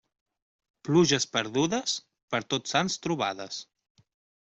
Pluges perdudes, per Tots Sants trobades.